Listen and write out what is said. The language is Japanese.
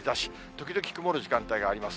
時々曇る時間帯があります。